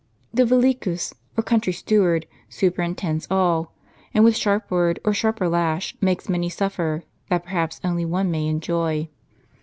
The villicns or country steward superintends all; and with sharp word, or sharper lash, makes many suffer, that perhaps one only may enjoy.